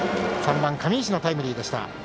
３番上石のタイムリーでした。